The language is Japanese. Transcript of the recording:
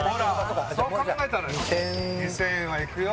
ほらそう考えたら２０００円はいくよ